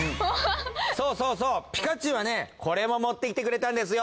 そうそうそうピカチュウはねこれも持ってきてくれたんですよ。